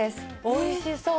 おいしそう。